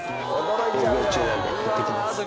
営業中なんでいってきます。